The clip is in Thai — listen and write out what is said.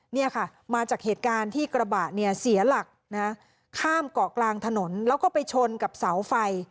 เนี่ยค่ะมาจากเหตุการณ์ที่กระบะเนี่ยเสียหลักข้ามเกาะกลางถนนแล้วก็ไปชนกับเสาไฟ